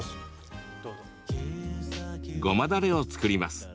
ごまだれを作ります。